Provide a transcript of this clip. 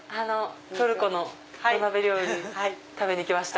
トルコの土鍋料理食べに来ました。